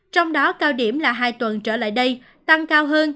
trong đó cao điểm là hai tuần trở lại đây tăng cao hơn